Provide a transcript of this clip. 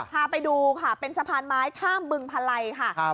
พาไปดูค่ะเป็นสะพานไม้ข้ามบึงพลัยค่ะ